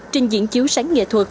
trình diễn chiếu sáng nghệ thuật